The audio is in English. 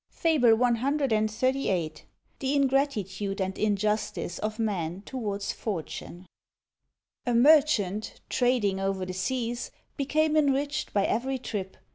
FABLE CXXXVIII. THE INGRATITUDE AND INJUSTICE OF MEN TOWARDS FORTUNE. A merchant, trading o'er the seas, Became enriched by every trip.